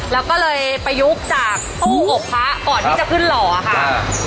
แล้วก็เลยประยุกต์จากตู้อบพระก่อนที่จะขึ้นหล่อค่ะ